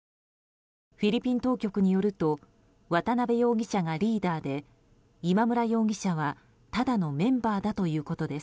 フィリピン当局によると渡邉容疑者がリーダーで今村容疑者は、ただのメンバーだということです。